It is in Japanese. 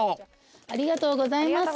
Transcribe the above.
ありがとうございます。